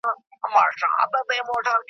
عدالت ټولنه قوي ساتي.